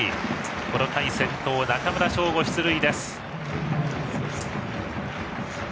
この回、先頭の中村奨吾が出塁です。